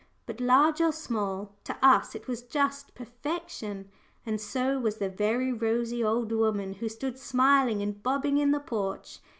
But large or small, to us it was just perfection, and so was the very rosy old woman who stood smiling and bobbing in the porch.